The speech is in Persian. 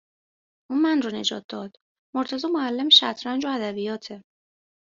اون من رو نجات داد مرتضی معلم شطرنج و ادبیاته